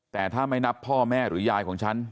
แต่ถ้าไม่นับพ่อแม่หรือยายของฉัน